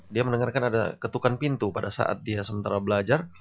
dia mendengarkan ada ketukan pintu pada saat dia sementara belajar